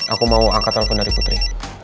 aku mau angkat telepon dari putri